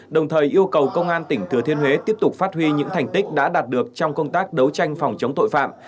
đồng thời yêu cầu công an tỉnh thừa thiên huế tiếp tục phát huy những thành tích đã đạt được trong công tác đấu tranh phòng chống tội phạm